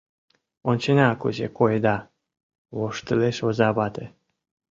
Ончена, кузе койыда, — воштылеш оза вате.